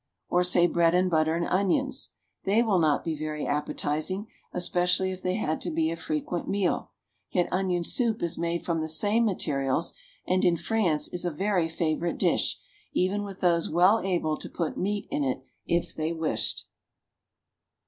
Or say bread and butter and onions. They will not be very appetizing, especially if they had to be a frequent meal, yet onion soup is made from the same materials, and in France is a very favorite dish, even with those well able to put meat in it if they wished.